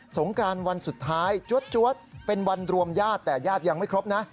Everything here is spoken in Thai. งกรานวันสุดท้ายจวดเป็นวันรวมญาติแต่ญาติยังไม่ครบนะ